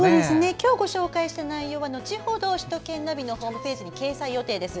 今日ご紹介した内容は後ほど首都圏ナビのホームページに掲載予定です。